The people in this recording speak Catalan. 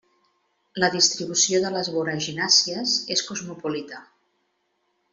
La distribució de les boraginàcies és cosmopolita.